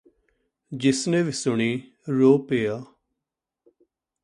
ਜਿਸ ਨੇ ਵੀ ਸੁਣੀ ਰੋਅ ਪਿਆ